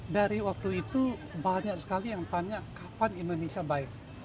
dari waktu itu banyak sekali yang tanya kapan indonesia baik